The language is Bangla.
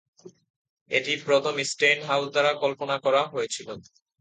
এটি প্রথম স্টেইনহাউস দ্বারা কল্পনা করা হয়েছিল।